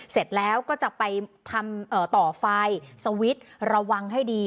เสร็จแล้วก็จะไปทำต่อไฟสวิตช์ระวังให้ดี